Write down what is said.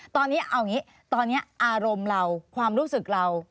ตอนนี้เอาอย่างนี้ตอนนี้อารมณ์เราความรู้สึกเรา